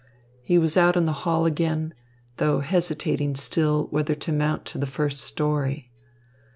He was out in the hall again, though hesitating still whether to mount to the first story.